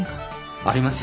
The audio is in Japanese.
ありますよ。